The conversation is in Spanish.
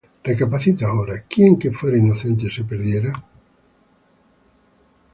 Recapacita ahora, ¿quién que fuera inocente se perdiera?